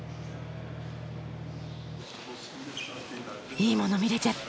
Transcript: いいもの見れちゃった！